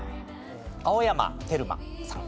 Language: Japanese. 青山テルマさん。